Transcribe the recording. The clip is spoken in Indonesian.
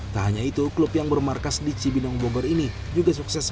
tak hanya itu klub yang bermarkas di cibinongbobor ini juga sukses meraih